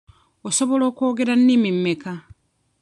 Osobola kwogera nnimi mmeka?